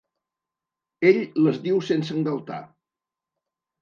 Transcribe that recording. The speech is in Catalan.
Ell les diu sense engaltar.